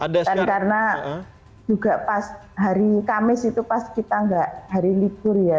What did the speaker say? dan karena juga pas hari kamis itu pas kita nggak hari likur ya